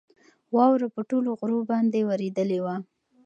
واوره په ټولو غرو باندې ورېدلې وه.